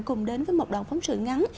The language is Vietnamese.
cùng đến với một đoạn phóng sự ngắn